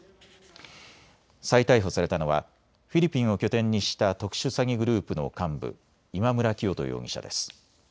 再逮捕されたのはフィリピンを拠点にした特殊詐欺グループの幹部、今村磨人容疑者です。